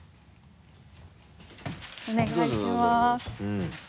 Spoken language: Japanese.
お願いします。